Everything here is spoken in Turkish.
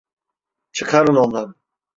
Çıkarın onları!